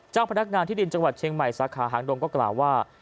พนักงานที่ดินจังหวัดเชียงใหม่สาขาหางดงก็กล่าวว่า